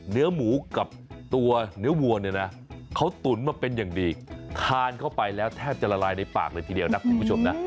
เนื้อหมูกับตัวเนื้อวัวเนี่ยนะเขาตุ๋นมาเป็นอย่างดีทานเข้าไปแล้วแทบจะละลายในปากเลยทีเดียวนะคุณผู้ชมนะ